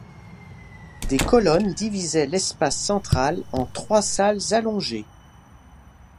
Des colonnes divisaient l'espace central en trois salles allongées.